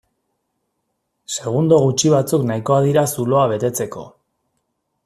Segundo gutxi batzuk nahikoa dira zuloa betetzeko.